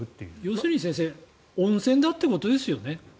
要するに先生温泉だということですね